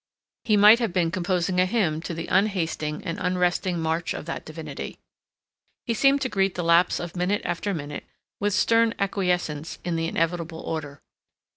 He might have been composing a hymn to the unhasting and unresting march of that divinity. He seemed to greet the lapse of minute after minute with stern acquiescence in the inevitable order.